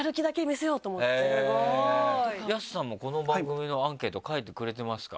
ＹＡＳＵさんもこの番組のアンケート書いてくれてますか？